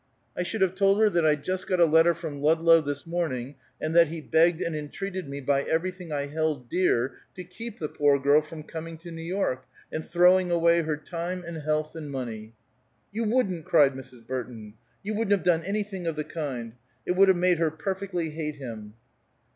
"I should have told her that I'd just got a letter from Ludlow this morning, and that he begged and entreated me by everything I held dear, to keep the poor girl from coming to New York, and throwing away her time and health and money." "You wouldn't!" cried Mrs. Burton. "You wouldn't have done anything of the kind. It would have made her perfectly hate him."